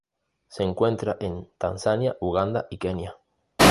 Se encuentra en Tanzania, Uganda y Kenia.